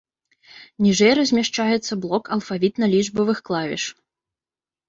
Ніжэй размяшчаецца блок алфавітна-лічбавых клавіш.